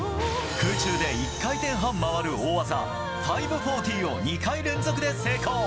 空中で１回転半回る大技５４０を２回連続で成功。